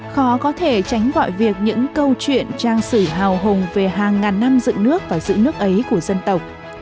khó có thể tránh gọi việc những câu chuyện trang sử hào hùng về hàng ngàn năm dựng nước và giữ nước ấy của dân tộc